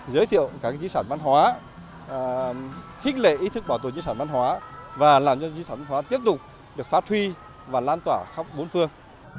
giới thiệu các di sản văn hóa khích lệ ý thức bảo tồn di sản văn hóa và làm cho di sản văn hóa tiếp tục được phát huy và lan tỏa khắp bốn phương